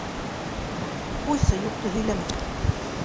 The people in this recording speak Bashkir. — Ҡуйсы, юҡты һөйләмә.